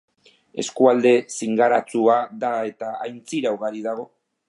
Eskualde zingiratsua da eta aintzira ugari dago.